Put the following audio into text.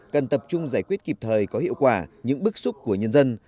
cần tập trung giải quyết kịp thời có hiệu quả những bức xúc của nhân dân